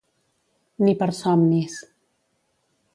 Ni per somnis.